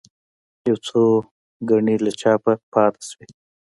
یو څو ګڼې له چاپه پاتې شوې.